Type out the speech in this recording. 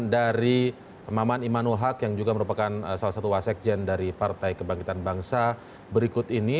dari maman imanul haq yang juga merupakan salah satu wasekjen dari partai kebangkitan bangsa berikut ini